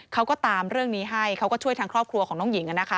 เขาก็ตามเรื่องนี้ให้เขาก็ช่วยทางครอบครัวของน้องหญิง